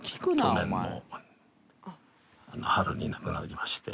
去年の春に亡くなりまして。